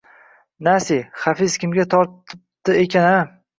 Nasi, Hafiz kimga tortdi ekan a